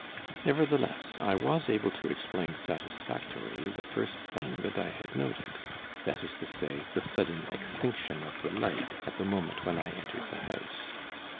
Nevertheless, I was able to explain satisfactorily the first thing that I had noted that is to say, the sudden extinction of the light at the moment when I entered the house.